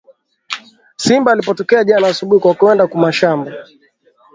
Simba alibatokea jana asubui pa kwenda kumashamba